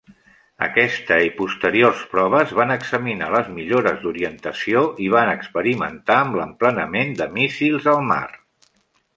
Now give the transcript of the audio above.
Aquesta i posteriors proves van examinar les millores d'orientació i van experimentar amb l'emplenament de míssils al mar.